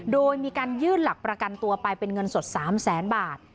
โดยมีการยื่นหลักประกันตัวไปเป็นเงินสด๓แสนบาท